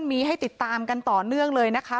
มีให้ติดตามกันต่อเนื่องเลยนะคะ